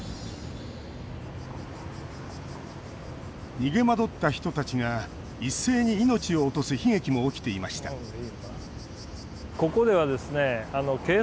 逃げ惑った人たちが一斉に命を落とす悲劇も起きていました横川橋。